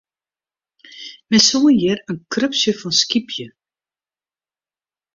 Men soe hjir in krupsje fan skypje.